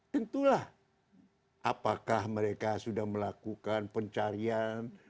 tentulah apakah mereka sudah melakukan pencarian